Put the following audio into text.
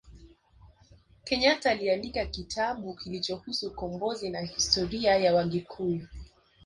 kenyata aliandika kitabu kilichohusu ukombozi na historia ya wagikuyu